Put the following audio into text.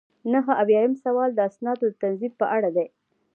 نهه اویایم سوال د اسنادو د تنظیم په اړه دی.